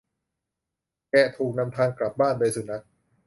แกะถูกนำทางกลับบ้านโดยสุนัข